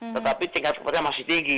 tetapi tingkat supportnya masih tinggi